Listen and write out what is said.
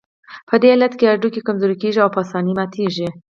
په دې حالت کې هډوکي کمزوري کېږي او په آسانۍ ماتېږي.